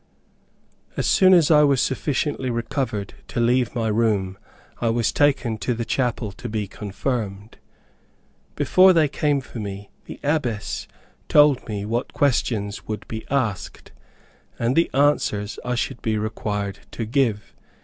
As soon as I was sufficiently recovered to leave my room, I was taken to the chapel to be confirmed. Before they came for me, the abbess told me what questions would be asked, and the answers I should be required to give.